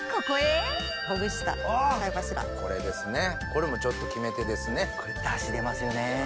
これもちょっと決め手ですね。